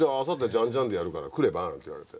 ジァン・ジァンでやるから来れば？なんて言われて。